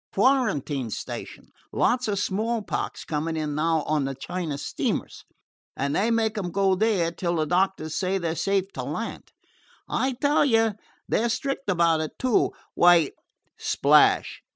"Quarantine station. Lots of smallpox coming in now on the China steamers, and they make them go there till the doctors say they 're safe to land. I tell you, they 're strict about it, too. Why " Splash!